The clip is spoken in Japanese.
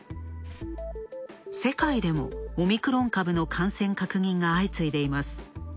世界でもオミクロン株の感染確認が相次いでいます。